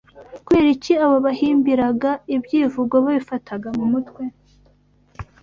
Kubera iki abo bahimbiraga ibyivugo babifataga mu mutwe